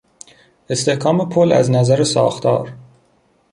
استحکام پل از نظر ساختار